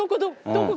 どこ？